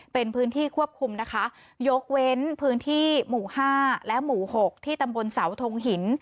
เป็นพื้นที่ควบคุมนะคะยกเว้นพื้นที่หมู่๕และหมู่๖ที่ตำบลเสาทงหิน